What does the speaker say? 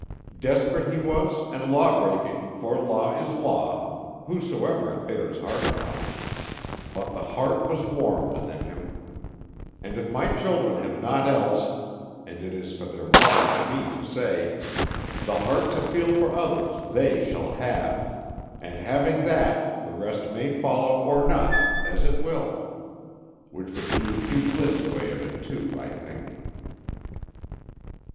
Desperate he was and lawbreaking, for law is law, whosoever it bears hard upon; but the heart was warm within him. And if my children have naught else, and it is for their mother and me to say, the heart to feel for others they shall have; and having that, the rest may follow or not, as it will; which would be Hugh Glynn's way of it, too, I think.